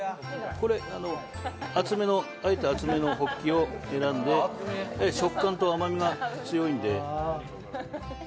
これ、あえて厚めのホッキを選んで食感と甘みが強いんで。